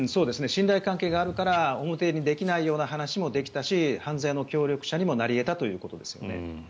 信頼関係があるから表にできないような話もできたし犯罪の協力者にもなり得たということですね。